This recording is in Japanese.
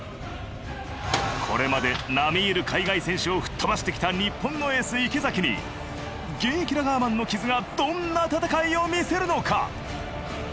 これまで並みいる海外選手を吹っ飛ばしてきた日本のエース池崎に現役ラガーマンの木津がどんな戦いを見みせるのか！？